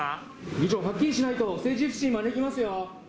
議長、はっきりしないと政治不信招きますよ。